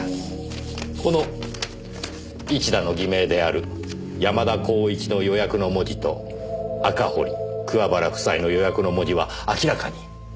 この市田の偽名である山田公一の予約の文字と赤堀桑原夫妻の予約の文字は明らかに違います。